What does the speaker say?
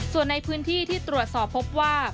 ส่วนในพื้นที่ที่ตรวจสอบพบว่า